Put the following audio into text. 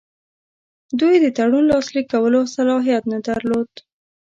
دوی د تړون لاسلیک کولو صلاحیت نه درلود.